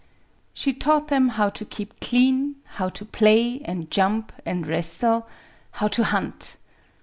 She taught them how to keep clean, — how to play and jump and wrestle, — how to hunt.